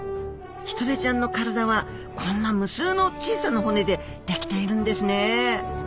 ヒトデちゃんの体はこんな無数の小さな骨でできているんですね。